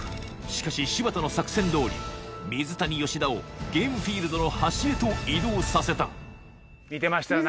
しかし柴田の作戦どおり水谷吉田をゲームフィールドの端へと移動させた見てましたよ